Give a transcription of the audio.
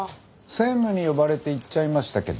専務に呼ばれて行っちゃいましたけど。